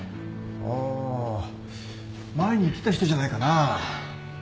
あ前に言ってた人じゃないかな。